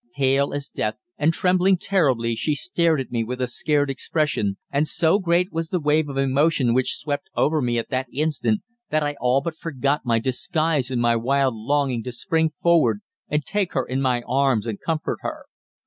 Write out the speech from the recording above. Pale as death, and trembling terribly, she stared at me with a scared expression, and so great was the wave of emotion which swept over me at that instant that I all but forgot my disguise in my wild longing to spring forward and take her in my arms and comfort her.